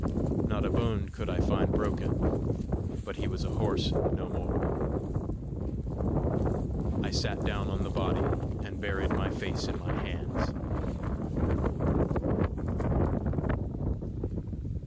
Not a bone could I find broken, but he was a horse no more. I sat down on the body, and buried my face in my hands.